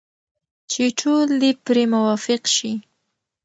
چې ټول دې پرې موافق شي.